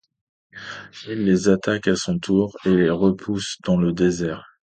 Il les attaque à son tour et les repousse dans le désert.